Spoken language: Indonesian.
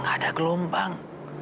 nggak ada gelombang